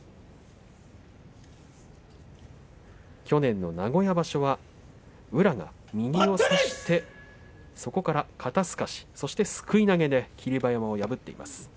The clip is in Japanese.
去年の名古屋場所、宇良が右を差して、そこから肩すかしすくい投げで霧馬山を破っています。